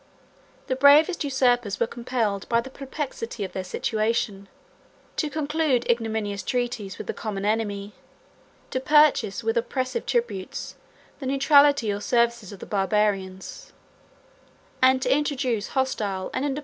The bravest usurpers were compelled, by the perplexity of their situation, to conclude ignominious treaties with the common enemy, to purchase with oppressive tributes the neutrality or services of the Barbarians, and to introduce hostile and independent nations into the heart of the Roman monarchy.